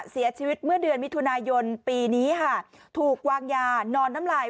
เสียชีวิตเมื่อเดือนมิถุนายนปีนี้ค่ะถูกวางยานอนน้ำลาย